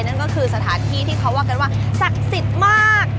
นั่นก็คือสถานที่ที่เขาว่ากันว่าศักดิ์สิทธิ์มาก